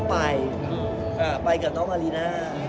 ไปกับน้องมลินะ